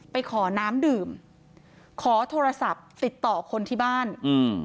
ไปขอน้ำดื่มขอโทรศัพท์ติดต่อคนที่บ้านอืม